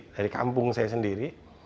dari kampung saya sendiri